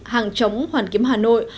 hàng chống hoàn kiếm hà nội